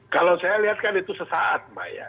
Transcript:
kalau saya lihat kan itu sesaat mbak ya